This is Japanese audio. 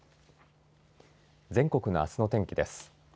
全国のあすの天気です。